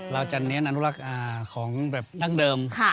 เราจะเน้นอนุรักษ์ของแบบดั้งเดิม